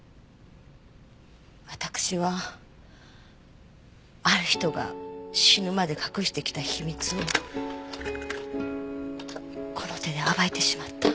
わたくしはある人が死ぬまで隠してきた秘密をこの手で暴いてしまった。